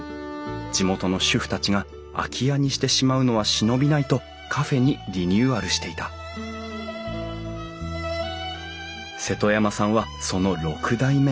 地元の主婦たちが空き家にしてしまうのは忍びないとカフェにリニューアルしていた瀬戸山さんはその６代目の店主。